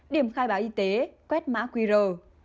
điểm khai báo y tế quét mã quy rồ